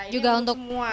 ya ini untuk semua ya